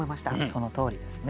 そのとおりですね。